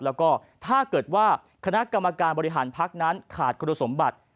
แล้วก็ถ้าเกิดว่าคณะกรรมการบริหารพักนั้นขาดคุณสมบัติ